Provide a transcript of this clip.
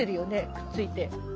くっついて。